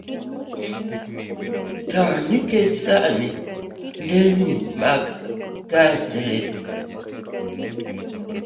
To nikech sani nderni mag gach re